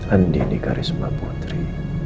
andi di karisma putri